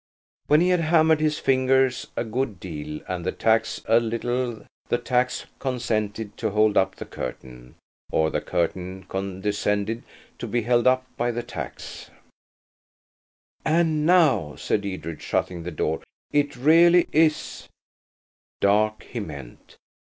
When he had hammered his fingers a good deal and the tacks a little the tacks consented to hold up the curtain, or the curtain condescended to be held up by the tacks. "And now," said Edred, shutting the door, "it really is–" Dark, he meant.